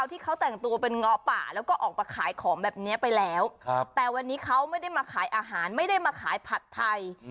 มีออกมาขายของแบบเนี้ยไปแล้วแต่วันนี้เขาไม่ได้มาขายอาหารไม่ได้มาขายผัดไทย